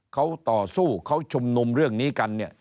เขาต่อสู้เขาชุมนุมเรื่องนี้กันเนี่ย